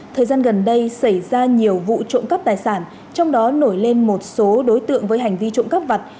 thời gian gần đây xảy ra nhiều vụ trộm cắp tài sản trong đó nổi lên một số đối tượng với hành vi trộm cắp vặt